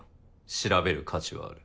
調べる価値はある。